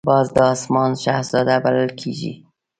باز د آسمان شهزاده بلل کېږي